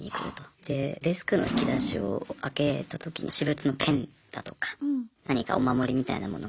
でデスクの引き出しを開けたときに私物のペンだとか何かお守りみたいなものが入っていたようでして